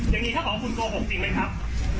อย่างนี้ถ้าของคุณโกหกจริงไหมครับ